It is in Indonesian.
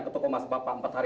ke toko masa bapak empat hari